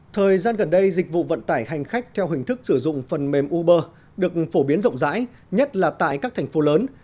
thời gian gần đây dịch vụ vận tải hành khách theo hình thức sử dụng phần mềm uber được phổ biến rộng rãi nhất là tại các thành phố lớn